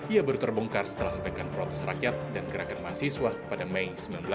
ia baru terbongkar setelah lepekan protos rakyat dan gerakan mahasiswa pada mei seribu sembilan ratus sembilan puluh delapan